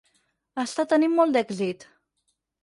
Està tenint molt d'èxit.